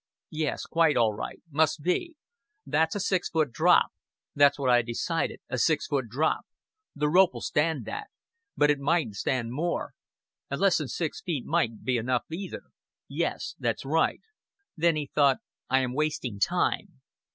Yes quite all right. Must be. That's a six foot drop. That's what I decided a six foot drop. The rope'll stand that. But it mightn't stand more. An' less than six feet mightn't be enough either. Yes, that's right." Then he thought: "I am wasting time."